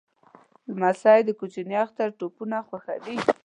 لمسی د کوچني اختر توپونه خوښوي.